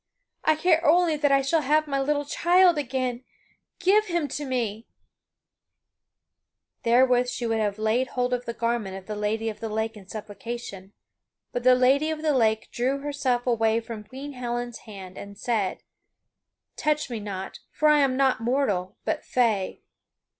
I care only that I shall have my little child again! Give him to me!" [Sidenote: The Lady of the Lake taketh Launcelot into the Lake] Therewith she would have laid hold of the garments of the Lady of the Lake in supplication, but the Lady of the Lake drew herself away from Queen Helen's hand and said: "Touch me not, for I am not mortal, but Fay."